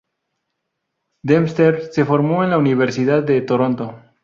Dempster se formó en la Universidad de Toronto.